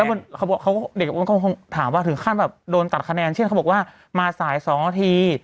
แล้วเด็กมันก็คงถามว่าถึงขั้นแบบโดนตัดคะแนนเช่นเขาบอกว่ามาสาย๒นาที